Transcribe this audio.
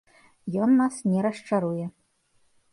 Ён нас не расчаруе.